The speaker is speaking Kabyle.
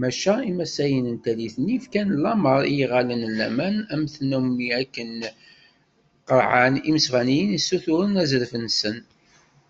Maca imasayen n tallit-nni, fkan lamer i yiɣallen n laman am tannumi akken ad qerɛen imesbaniyen yessuturen azref-nsen.